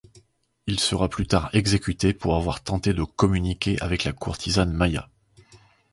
Il sera plus tard exécuté pour avoir tenté de communiquer avec la courtisane Maya.